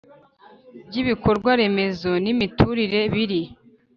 Ry ibikorwa remezo n imiturire biri